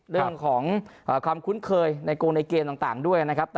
เรื่องของความคุ้นเคยในโกงในเกมต่างด้วยนะครับ